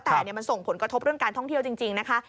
แต่มันส่งผลกระทบเรื่องการท่องเที่ยวจริงนะคะ